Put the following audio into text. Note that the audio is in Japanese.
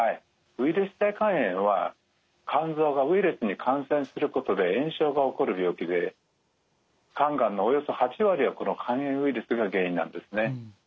ウイルス性肝炎は肝臓がウイルスに感染することで炎症が起こる病気で肝がんのおよそ８割はこの肝炎ウイルスが原因なんですね。